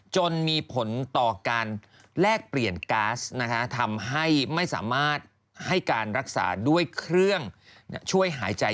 จนมีผลต่อการแลกเปลี่ยนก๊าซทำให้ไม่สามารถให้การรักษาด้วยเครื่องช่วยหายใจ